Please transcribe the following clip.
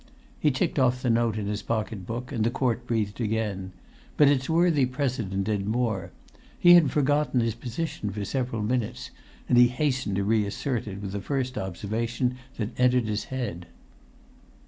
He ticked off the note in his pocket book, and the court breathed again; but its worthy president did more: he had forgotten his position for several minutes, and he hastened to reassert it with the first observation that entered his head.